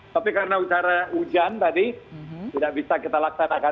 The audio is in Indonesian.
tapi karena udara hujan tadi tidak bisa kita laksanakan